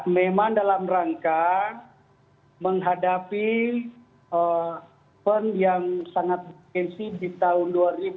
memang dalam rangka menghadapi event yang sangat bergensi di tahun dua ribu dua puluh